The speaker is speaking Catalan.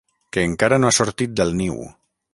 Que encara no ha sortit del niu.